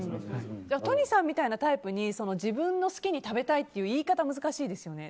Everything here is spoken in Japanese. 都仁さんみたいなタイプに自分の好きに食べたいっていう言い方難しいですよね。